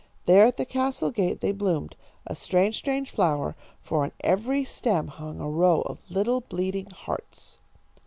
There at the castle gate they bloomed, a strange, strange flower, for on every stem hung a row of little bleeding hearts.